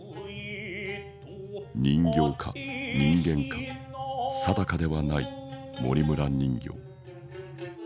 人形か人間か定かではない森村人形。